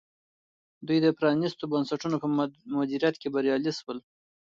دوی د پرانیستو بنسټونو په مدیریت کې بریالي شول.